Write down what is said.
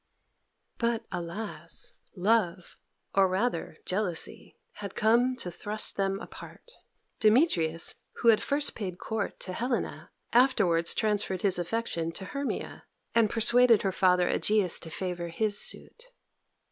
But, alas! love or, rather, jealousy had come to thrust them apart. Demetrius, who had at first paid court to Helena, afterwards transferred his affection to Hermia, and persuaded her father Egeus to favour his suit.